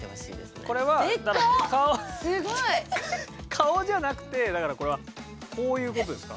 顔じゃなくてだからこれはこういうことですか？